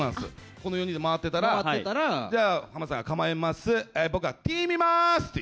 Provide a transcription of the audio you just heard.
この４人で回ってたら、じゃあ、浜田さん、構えます、僕はティー見まーす！って言う。